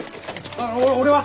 あの俺は？